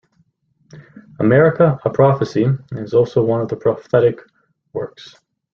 "America a Prophecy" is also one of the "prophetic works".